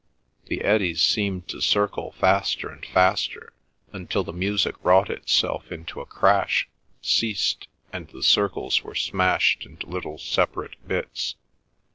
The eddies seemed to circle faster and faster, until the music wrought itself into a crash, ceased, and the circles were smashed into little separate bits.